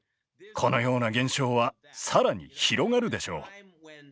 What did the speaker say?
このような現象は更に広がるでしょう。